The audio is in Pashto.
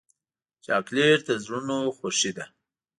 چاکلېټ د زړونو خوښي ده.